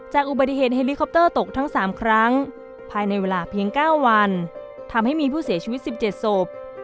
อุบัติเหตุเฮลิคอปเตอร์ตกทั้ง๓ครั้งภายในเวลาเพียง๙วันทำให้มีผู้เสียชีวิต๑๗ศพ